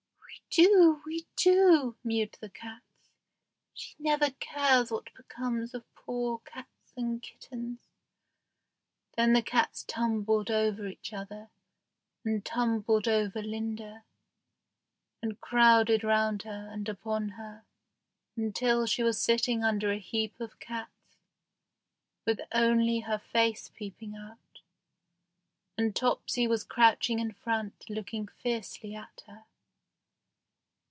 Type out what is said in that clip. "We do! we do! we do!" mewed the cats. "She never cares what becomes of poor cats and kittens." Then the cats tumbled over each other, and tumbled over Linda, and crowded round her and upon her, until she was sitting under a heap of cats, with only her face peeping out, and Topsy was crouching in front, looking fiercely at her.